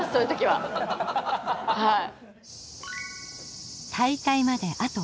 はい。